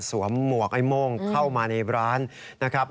หมวกไอ้โม่งเข้ามาในร้านนะครับ